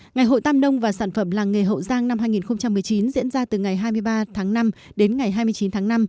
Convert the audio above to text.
ngày hội tam nông và sản phẩm làng nghề hậu giang năm hai nghìn một mươi chín diễn ra từ ngày hai mươi ba tháng năm đến ngày hai mươi chín tháng năm